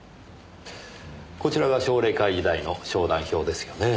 こちらが奨励会時代の昇段表ですよね。